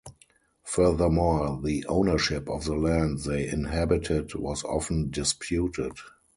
Furthermore, the ownership of the land they inhabited was often disputed.